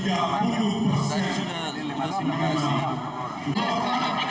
akan menjadi salah satu yang lebih baik